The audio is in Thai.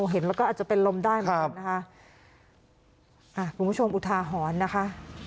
เห็นแล้วก็อาจจะเป็นลมได้นะคะครับคุณผู้ชมอุทาหรณ์นะคะ